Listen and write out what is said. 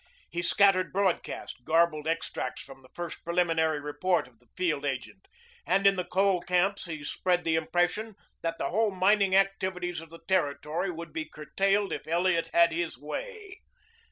He scattered broadcast garbled extracts from the first preliminary report of the field agent, and in the coal camps he spread the impression that the whole mining activities of the Territory would be curtailed if Elliot had his way.